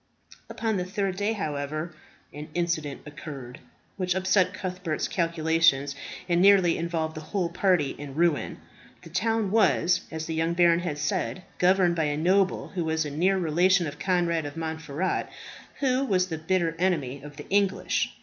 Upon the third day, however, an incident occurred which upset Cuthbert's calculations, and nearly involved the whole party in ruin. The town was, as the young baron had said, governed by a noble who was a near relation of Conrad of Montferat, and who was the bitter enemy of the English.